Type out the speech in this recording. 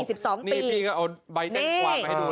เอาใบแจ้งความมาให้ดูเลย